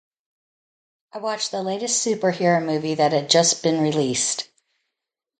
I watched the latest superhero movie that had just been released.